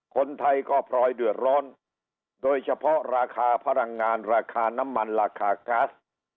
คนไทยก็พลอยเดือดร้อนโดยเฉพาะราคาพลังงานราคาน้ำมันราคาก๊าซ